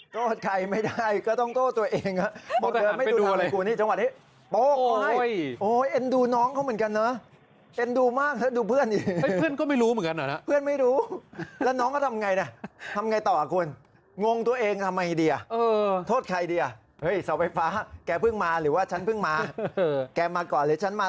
โดดใครไม่ได้ก็ต้องโดดตัวเองบอกเธอไม่ดูทางเหมือนกูนี่จังหวัดนี้โป๊ะโอ้ยเอ็นดูน้องเขาเหมือนกันเนอะเอ็นดูมากเดี๋ยวดูเพื่อนอีกเพื่อนก็ไม่รู้เหมือนกันเหรอนะเพื่อนไม่รู้แล้วน้องก็ทำไงเนี่ยทำไงต่อคุณงงตัวเองทำไมดีอ่ะโอ้ยโอ้ยโอ้ยโอ้ยโอ้ยโอ้ยโอ้ยโอ้ยโอ้ยโ